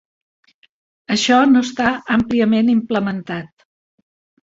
Això no està àmpliament implementat.